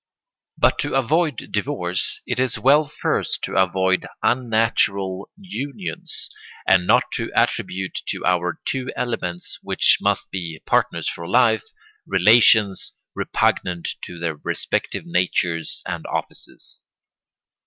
But to avoid divorce it is well first to avoid unnatural unions, and not to attribute to our two elements, which must be partners for life, relations repugnant to their respective natures and offices.